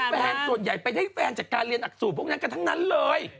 แฟนส่วนใหญ่ไปได้แฟนจากการเรียนอักสูตพวกนั้นกันทั้งนั้นเลย